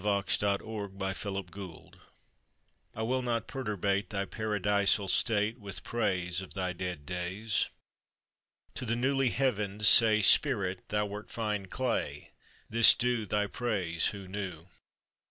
TO THE DEAD CARDINAL OF WESTMINSTER I will not perturbate Thy Paradisal state With praise Of thy dead days; To the new heavened say, "Spirit, thou wert fine clay": This do, Thy praise who knew.